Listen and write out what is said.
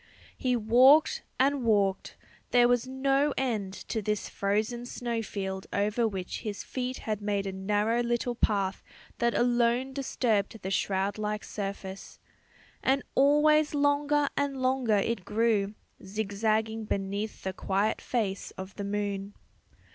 He walked and walked; there was no end to this frozen snow field over which his feet had made a narrow little path that alone disturbed the shroud like surface. And always longer and longer it grew, zigzagging beneath the quiet face of the moon.